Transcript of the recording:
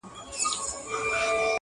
د دې شهید وطن په برخه څه زامن راغلي.!